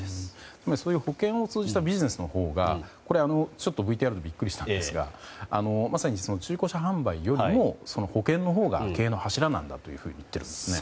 つまり、そうした保険を通じたビジネスのほうがＶＴＲ見てビックリしたんですが中古車販売よりも保険のほうが経営の柱なんだと言っているんですね。